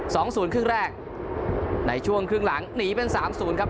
สองศูนย์ครึ่งแรกในช่วงครึ่งหลังหนีเป็นสามศูนย์ครับ